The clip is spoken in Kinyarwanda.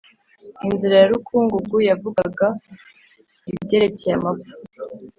inzira ya rukungugu: yavugaga ibyerekeye amapfa